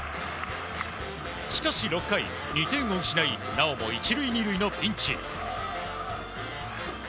しかし６回、２点を失いなおも１塁２塁のピンチ。